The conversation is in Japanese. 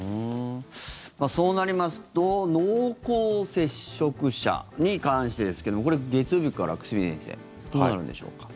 そうなりますと濃厚接触者に関してですけどこれ、月曜日から久住先生どうなるんでしょうか？